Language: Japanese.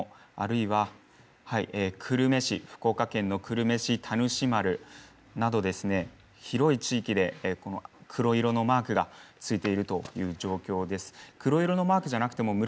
具体的には大分県日田市小野あるいは久留米市、福岡県の久留米市田主丸など広い地域で黒色のマークがついているという状況です。